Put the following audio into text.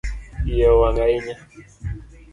Iye owang ahinya